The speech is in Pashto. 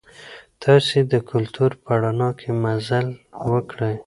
تاسي د کلتور په رڼا کې مزل وکړئ.